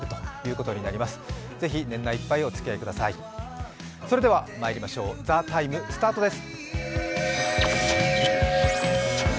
それではまいりましょう「ＴＨＥＴＩＭＥ，」スタートです。